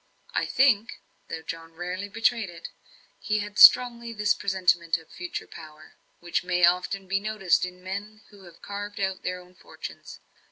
I think though John rarely betrayed it he had strongly this presentiment of future power, which may often be noticed in men who have carved out their own fortunes.